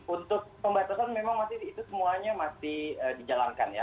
untuk pembatasan memang masih itu semuanya masih dijalankan ya